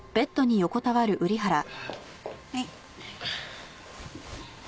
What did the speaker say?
はい。